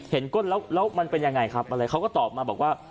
ก้นแล้วมันเป็นยังไงครับอะไรเขาก็ตอบมาบอกว่า